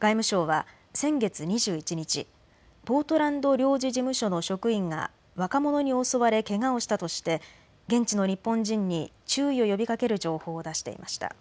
外務省は先月２１日、ポートランド領事事務所の職員が若者に襲われ、けがをしたとして現地の日本人に注意を呼びかける情報を出していました。